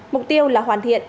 mục tiêu là hoàn thiện